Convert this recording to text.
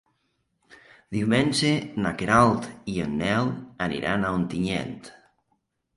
Diumenge na Queralt i en Nel aniran a Ontinyent.